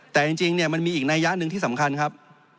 แต่จริงเนี่ยมันมีอีกนัยยะหนึ่งที่สำคัญครับ